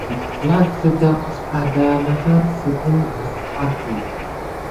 Mulak zǝga mǝs ahdahnasǝm ǝn pakǝ.